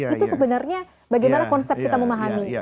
itu sebenarnya bagaimana konsep kita memahami